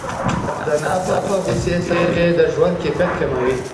د ناڅاپه غوسې څپې د ژوند کیفیت کموي.